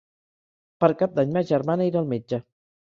Per Cap d'Any ma germana irà al metge.